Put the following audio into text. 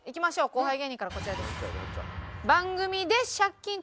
後輩芸人からこちらです。